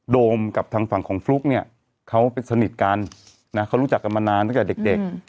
โมกับทางฝั่งของฟลุ๊กเนี่ยเขาเป็นสนิทกันนะเขารู้จักกันมานานตั้งแต่เด็ก